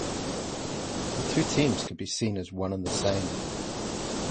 The two teams could be seen as one and the same.